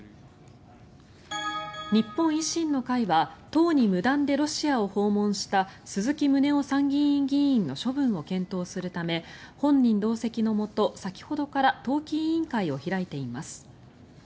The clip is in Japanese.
日本維新の会は党に無断でロシアを訪問した鈴木宗男参議院議員の処分を検討するため本人同席のもと先ほどから党紀委員会を開いています。